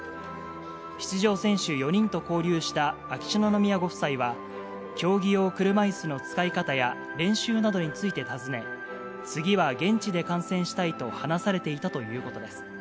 出場選手４人と交流した秋篠宮ご夫妻は、競技用車いすの使い方や練習などについて尋ね、次は現地で観戦したいと話されていたということです。